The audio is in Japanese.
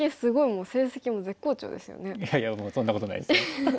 いやいやもうそんなことないですよ。